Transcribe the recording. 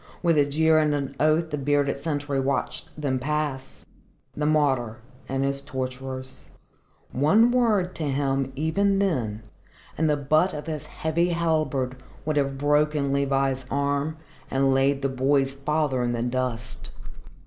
With a jeer and an oath the bearded sentry watched them pass the martyr and his torturers. One word to him, even then, and the butt of his heavy halberd would have broken Levi's arm and laid the boy's father in the dust.